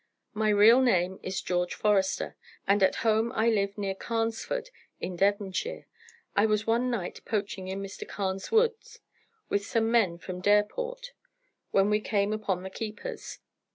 My real name is George Forester, and at home I live near Carnesford, in Devonshire. I was one night poaching in Mr. Carne's woods, with some men from Dareport, when we came upon the keepers.